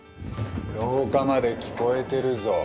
廊下まで聞こえてるぞ。